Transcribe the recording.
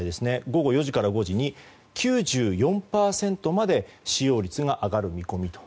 午後４時から５時に９４％まで使用率が上がる見込みだと。